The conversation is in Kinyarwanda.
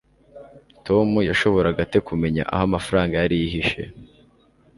tom yashoboraga ate kumenya aho amafaranga yari yihishe